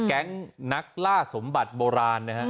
แก๊งนักล่าสมบัติโบราณนะฮะ